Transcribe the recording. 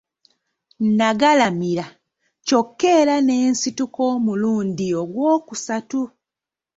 Nagalamira kyokka era ne nsituka omulundi ogw'okusatu.